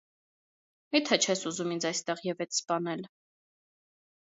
Մի՞թե չես ուզում ինձ այստեղ ևեթ սպանել…